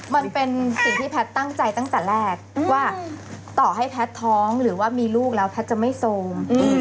มันเป็นสิ่งที่แพทย์ตั้งใจตั้งแต่แรกว่าต่อให้แพทย์ท้องหรือว่ามีลูกแล้วแพทย์จะไม่โซม